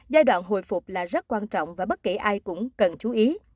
giai đoạn hồi phục là rất quan trọng và bất kể ai cũng cần chú ý